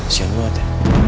sian banget ya